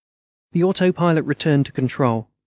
The autopilot returned to control.